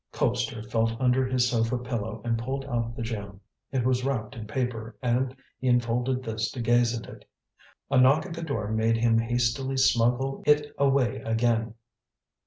Colpster felt under his sofa pillow and pulled out the gem. It was wrapped in paper, and he unfolded this to gaze at it. A knock at the door made him hastily smuggle it away again.